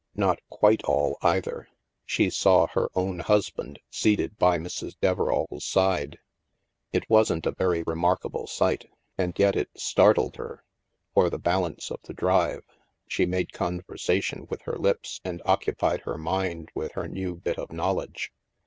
Not . quite all, either. She saw her own husband seated by Mrs. Deverairs side. It wasn't a very remarkable sight, and yet it startled her. For the balance of the drive, she made conversation with her lips and occupied her mind with her new bit of knowledge.